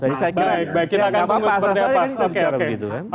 baik baik kita akan tunggu seperti apa